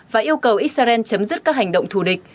và yêu cầu israel chấm dứt các hành động thù địch